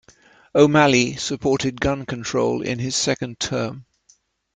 O'Malley supported gun control in his second term.